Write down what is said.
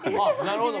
なるほど。